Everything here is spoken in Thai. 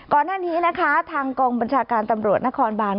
ก่อนหน้านี้นะคะทางกองบัญชาการตำรวจนครบาน